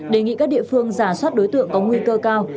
đề nghị các địa phương giả soát đối tượng có nguy cơ cao